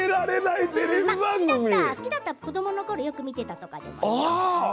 好きだったとか子どものころ、よく見てたとか。